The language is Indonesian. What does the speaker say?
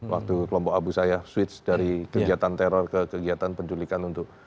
waktu kelompok abu sayyaf switch dari kegiatan teror ke kegiatan penculikan untuk